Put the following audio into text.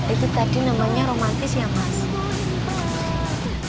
itu tadi namanya romantis ya mas